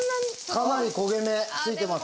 かなり焦げ目ついてます。